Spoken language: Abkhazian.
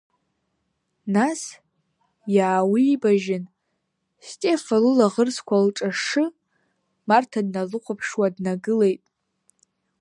Нас иаауибажьын, Стефа лылаӷырӡқәа лҿашы, Марҭа длыхәаԥшуа днагылеит.